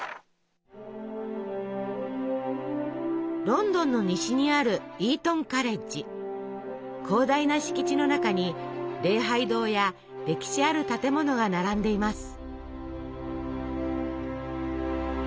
ロンドンの西にある広大な敷地の中に礼拝堂や歴史ある建物が並んでいます。